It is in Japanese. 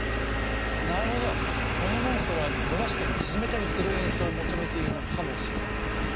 このモンストロは伸ばしたり縮めたりする演奏を求めているのかもしれないな。